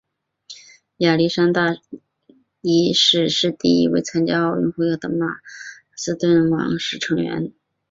亚历山大一世是第一位参加奥运会的马其顿王室成员。